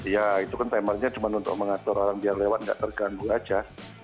ya itu kan temanya cuma untuk mengatur orang biar lewat nggak terganggu saja